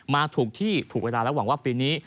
มาถูกที่ถูกเวลาและหวังว่าปีนี้